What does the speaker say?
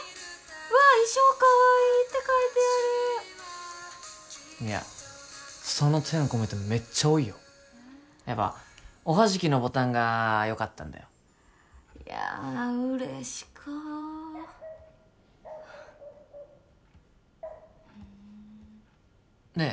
わっ「衣装かわいい」って書いてあるいやその手のコメントもめっちゃ多いよやっぱおはじきのボタンがよかったんだよいや嬉しかふーんねえ